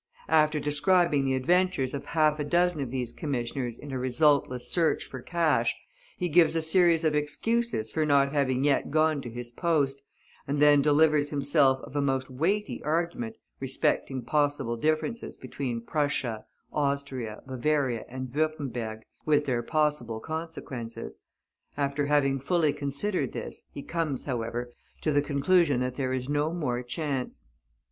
After describing the adventures of half a dozen of these commissioners in a resultless search for cash, he gives a series of excuses for not having yet gone to his post, and then delivers himself of a most weighty argument respecting possible differences between Prussia, Austria, Bavaria, and Würtemberg, with their possible consequences. After having fully considered this, he comes, however, to the conclusion that there is no more chance.